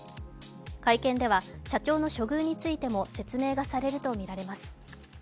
会見では社長の処遇についても説明がされるとみられます。